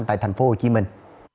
tại thành phố hồ chí minh